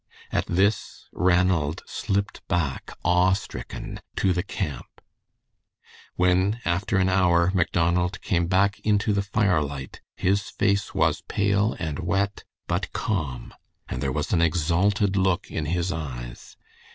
At this Ranald slipped back awe stricken to the camp. When, after an hour, Macdonald came back into the firelight, his face was pale and wet, but calm, and there was an exalted look in his eyes.